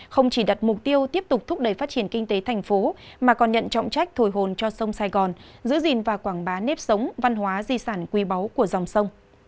không chỉ đặt mục tiêu tiếp tục thúc đẩy phát triển kinh tế thành phố mà còn nhận trọng trách thổi hồn cho sông sài gòn giữ gìn và quảng bá nếp sống văn hóa di sản quý báu của dòng sông